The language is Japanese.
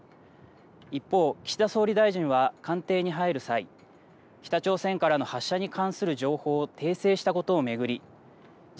一方、岸田総理大臣は官邸に入る際、北朝鮮からの発射に関する情報を訂正したことを巡りＪ